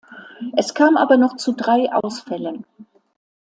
Es kam aber noch zu drei Ausfällen.